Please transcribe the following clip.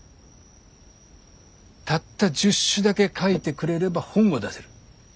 たった１０首だけ書いてくれれば本を出せる。